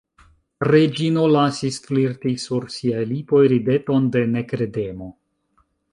Reĝino lasis flirti sur siaj lipoj rideton de nekredemo.